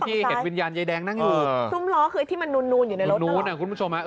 ที่เจรันยายแดงหน้าก็นรวม